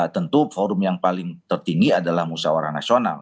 tentu forum yang paling tertinggi adalah musawarah nasional